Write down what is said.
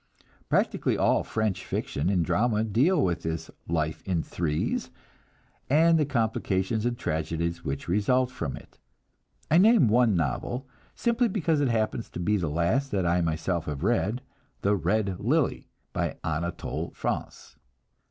Practically all French fiction and drama deal with this "life in threes," and the complications and tragedies which result from it. I name one novel, simply because it happens to be the last that I myself have read, "The Red Lily," by Anatole France.